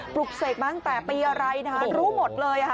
ปรุกเศษบ้างแต่ปีอะไรรู้หมดเลย